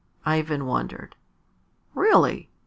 Ivan wondered. "Really!